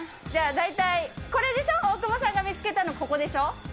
大体、これでしょ、大久保さんが見つけたのここでしょ？